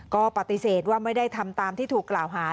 ก็ปฏิเสธว่าไม่ได้ทำตามที่ถูกกล่าวหา